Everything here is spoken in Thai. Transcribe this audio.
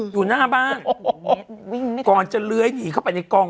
อยู่หน้าบ้างเสมอวิ่งกลอนจะเหลือยิ่นอีกเข้าไปในกอง